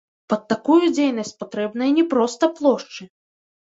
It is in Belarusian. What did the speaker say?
Пад такую дзейнасць патрэбныя не проста плошчы!